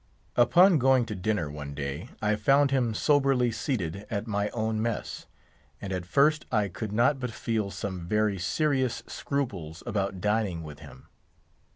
Upon going to dinner one day, I found him soberly seated at my own mess; and at first I could not but feel some very serious scruples about dining with him.